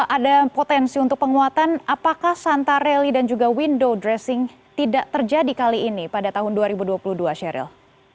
ada potensi untuk penguatan apakah santarelli dan juga window dressing tidak terjadi kali ini pada tahun dua ribu dua puluh dua sheryl